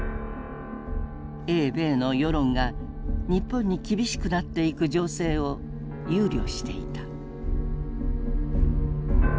英米の世論が日本に厳しくなっていく情勢を憂慮していた。